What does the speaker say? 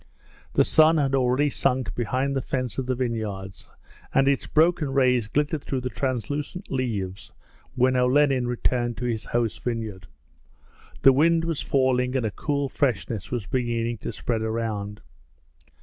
The sun had already sunk behind the fence of the vineyards, and its broken rays glittered through the translucent leaves when Olenin returned to his host's vineyard. The wind was falling and a cool freshness was beginning to spread around.